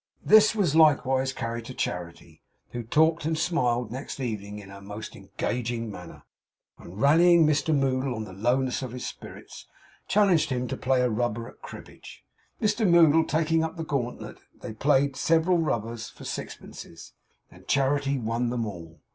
This was likewise carried to Charity, who talked and smiled next evening in her most engaging manner, and rallying Mr Moddle on the lowness of his spirits, challenged him to play a rubber at cribbage. Mr Moddle taking up the gauntlet, they played several rubbers for sixpences, and Charity won them all.